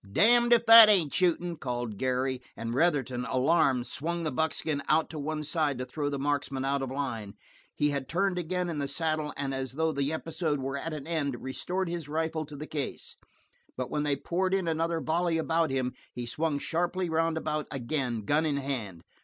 "Damned if that ain't shootin'!" called Garry, and Retherton, alarmed, swung the buckskin out to one side to throw the marksman out of line. He had turned again in the saddle, and as though the episode were at an end, restored his rifle to its case, but when they poured in another volley about him, he swung sharply roundabout again, gun in hand.